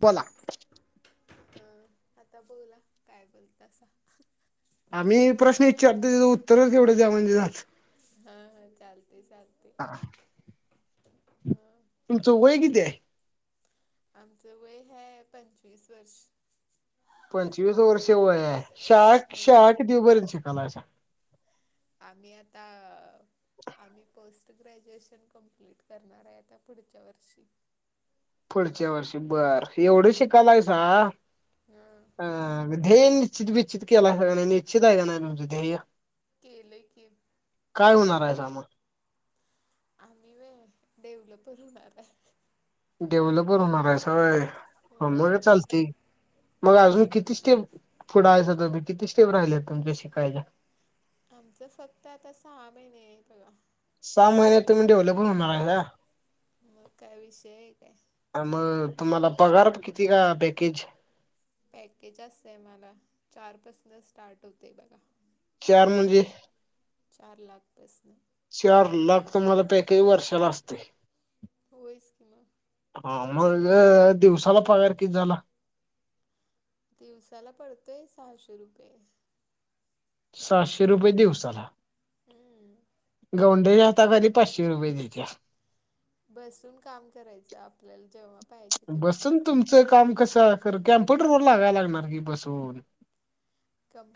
बोला अ आता बोला, काय बोलतासा? मी प्रश्न विचारतो त्याच उत्तर दे [unintelligible] हा हा चालतय चालतय हा.. तुमचं वय किती आहे? आमचं वय हाय पंचवीस वर्ष.. पंचवीस वर्ष वय हाय, शाळा होय शाळा कितवीपर्यंत शिकलायेसा? आम्ही आता, आम्ही पोस्ट पोस्ट ग्रॅज्युएशन कंप्लीट करणार आहे आता पुढच्या वर्षी पुढच्या वर्षी बर, एवढे हम्म शिकायलायेसा हा.. हा ध्येय निश्चित बच्चित केला निश्चित आहे गा तुमच ध्येय? केलय की‌ काय होणार आहेसा म आम्ही व्होय डेव्हलप हुन आता. डेव्हलपर होणार आहेसाय होय मग चालती. मग अजून हम्म किती स्टेप पुुडायचा तुम्ही किती स्टेप राहिले तुमच्या शिकायला? आमचं फक्त आता सहा महिने आहे बघा. सहा महिन्यात तुम्ही डेव्हलेबल होणार आहे का? मग काय विषय आहे काय. मग तुम्हाला पगार किती का पॅकेज? पॅकेज असत हे मला चार पासून स्टार्ट होते बघा. चार म्हणजे? चार लाख पासन. चार लाख तुम्हाला पैकेज वर्षाला असतेय? होय स्की म. हा म्हणजे दिवसाला पगार किती झाला? दिवसाला पडतोय सहाशे रुपये. साहशे रुपये दिवसाला. हम् [unintelligible] गोंडेरी आता तरी पाचशे रुपये देत्या. बसून काम करायच जेव्हा. पाहिजे तेव्हा बसून तुमचं काम कसं कर कम्प्युटर व लागाय लागणार कि बसून?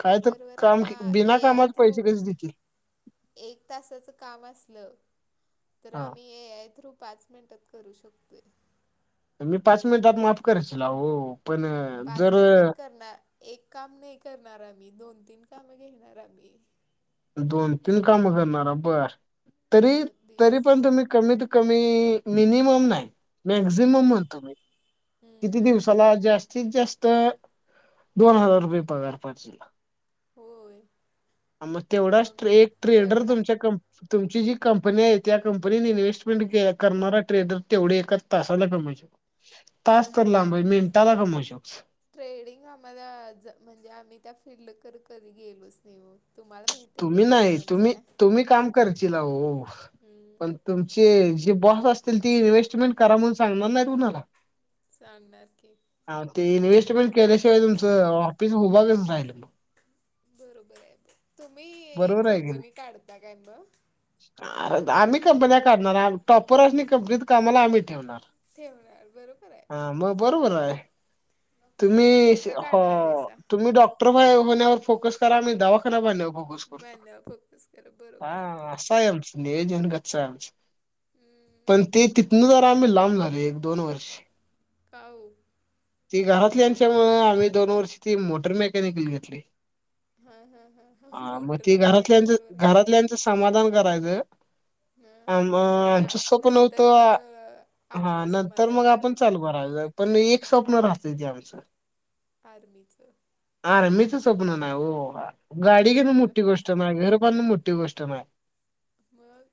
काय तर काम आता बिना ए आय कामात थ्रू पैसे कसे देतील एक तासाचं काम असलं तर हा आम्ही एक आय थ्रु पाच एक मिंटात करू शकतोय. मी पाच मिनिटात माफ कराशिला हो पण पाच जर मिनिटात करणार एक काम नाही करणार आम्ही दोन, तीन काम घेणार आम्ही. दोन, तीन काम करणार बर तरी, मग तरी दिवस पण तुम्ही कमीत कमी मिनिमम नाही हम्म मॅक्झिमम म्हणतो मी हम्म किती दिवसाला जास्त जास्तीत, जास्त दोन हजार रुपये पगार पाहिजे. होय. थोडा मग ट्रे एक ट्रेडर तेवढा तुमच्या कंप तुमची जी कंपनी आहे त्या कंपनीत इन्व्हेस्टमेंट करणारा ट्रेडर तेवढे एका तासाला कमवशीला. तास तर लांब हाय मिंटाला कमवशीला. ट्रेडिंग आम्हाला म्हणजे आम्ही त्या फिल्ड कड कधी गेलोच नाही ओ तुम्हाला माहिती आहे की तुम्ही नाही, त्याच्यामधलं तुम्ही, काय तुम्ही काम करशीला ओ हम्म पण तुमचे जे बॉस असतील ती इन्व्हेस्टमेंट करा म्हणून सांगणार नाही तुम्हाला? सांगणार की. हा ते इन्व्हेस्टमेंट केल्याशिवाय तुमचं ऑफिस उभा कसं राहिल मग? बरोबर आहे, तुम्ही एक कंपनी काढता काय मग? अरे आम्ही कंपन्या काढणार टॉपरासनी कंपनीत कामाला आम्ही ठेवणार. ठेवणार बरोबर आहे. म बरोबर आहे तुम्ही मग कुठं हो काढणार आहेसा तुम्ही डॉक्टर डॉक्टर होण्यावर फोकस करा मी दवाखाना बांधण्यावर फोकस बांधण्या वर फोकस करा बरोबर आहे. ह असं हाय आमच नियोजन गच्चा हू पण ती तिथन जरा आम्ही लांब झालोय एक दोन वर्ष का ओ ती घरातली यांच्यामुळं आम्ही दोन वर्षी ती मोटर मेकॅनिकल घेतली हा हा हा हा म ती घरातल्याच घरातल्यांचं समाधान करायचं आ हां आणि आ आमच स्वप्न होत नंतर मग हा आपलं नंतर समाधान मग आपण करायचं चालू करायचं पण एक स्वप्न राहतंय ते आमचं आर्मीचं आर्मी च स्वप्न नाही ओ मग गाडी घेणं कुठलं मोठी गोष्ट नाय घर बांधण मोठी गोष्ट नाय मग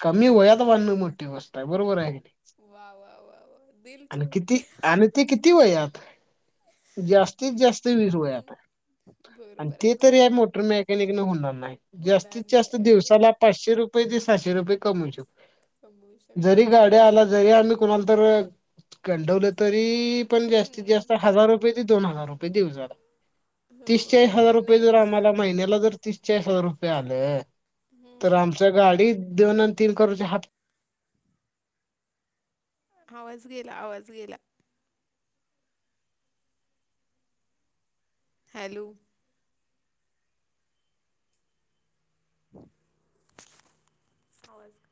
कमी वयात बांधण मोठी गोष्ट हाय बरोबर हाय कणी वा वा वा वा दिल आणि छू किती गया आणि ते किती वयात जास्तीत जास्त विस वयात आणि बरोबर आहे ते तरी त्या बरोबर आहे. मोटर मेकॅनिक न होणार नाही जास्तीत होणार नाही जास्त आहे होत दिवसाला पाचशे रुपय ते साहशे रुपये कमवु कमवू शकतो जरी शकतेस गाडी बरं आला जरी आम्ही कुणाला तर गंडवलं तरी पण जास्तीत हम्म. जास्त हजार रुपय ते दोन हजार रुपय दिवसाला होय तीसचाळीस हजार रुप नाही आम्हाला महीन्याला जर तीस चाळीस हजार रुपय आल तर हम्म आमचं गाडी दोन अन् तीन करूची हात आवाज गेला आवाज गेला‌ हॅलो आवाज